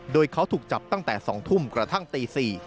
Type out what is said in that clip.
โดยเขาถูกจับตั้งแต่๒ทุ่มกระทั่งตี๔